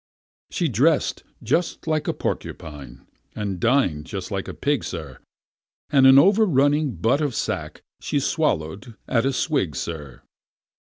She dress'd just like a porcupine, and din'd just like a pig, sir, And an over running butt of sack she swallow'd at a swig, sir!